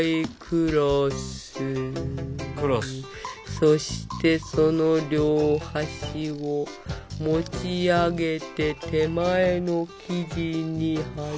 そしてその両端を持ち上げて手前の生地に貼り付けます。